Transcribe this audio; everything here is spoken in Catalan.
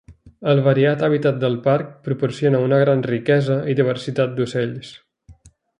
El variat hàbitat del parc proporciona una gran riquesa i diversitat d'ocells.